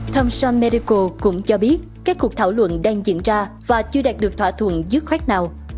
thomson medical cũng cho biết các cuộc thảo luận đang diễn ra và chưa đạt được thỏa thuận dứt khoát nào